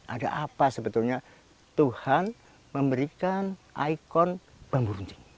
ada apa sebetulnya tuhan memberikan ikon bambu runcing